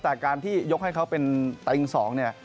แต่การที่ยกให้เขาเป็นติง๒เนี่ย